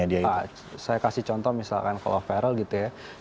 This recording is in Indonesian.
iya saya kasih contoh misalkan kalau feral gitu ya